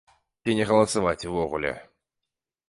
Ці не галасаваць увогуле.